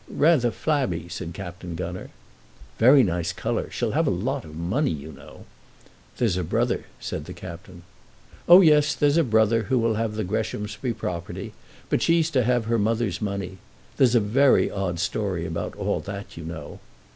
"Rather flabby," said Captain Gunner. "Very nice colour. She'll have a lot of money, you know." "There's a brother," said the Captain. "Oh, yes; there's a brother, who will have the Greshamsbury property, but she's to have her mother's money. There's a very odd story about all that, you know."